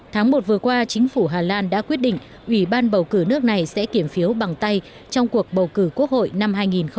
tháng một vừa qua chính phủ hà lan đã quyết định ủy ban bầu cử nước này sẽ kiểm phiếu bằng tay trong cuộc bầu cử quốc hội năm hai nghìn hai mươi